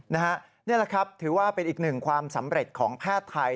นี่แหละครับถือว่าเป็นอีกหนึ่งความสำเร็จของแพทย์ไทย